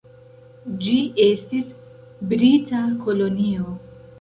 Ĝi estis brita kolonio.